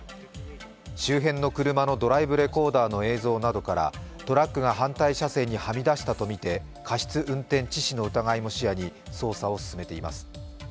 周辺の車のドライブレコーダーの映像などからトラックが反対車線にはみ出したとみて過失運転致死の疑いも視野に捜査を進めています。